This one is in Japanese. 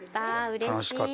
楽しかった。